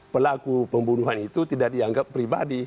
pelaku pembunuhan itu tidak dianggap pribadi